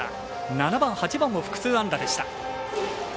７番、８番も複数安打でした。